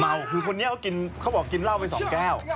คือคนนี้เขากินเขาบอกกินเหล้าไปสองแก้ว